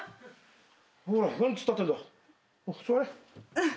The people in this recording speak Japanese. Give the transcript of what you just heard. うん。